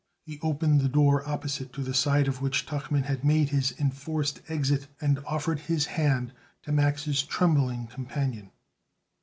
He opened the door opposite to the side out of which Tuchman had made his enforced exit, and offered his hand to Max's trembling companion.